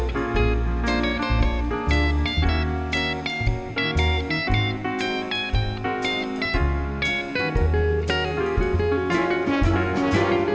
สวัสดีครับสวัสดีครับ